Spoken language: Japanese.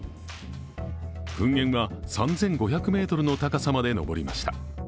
噴煙は３５００ｍの高さまで上りました。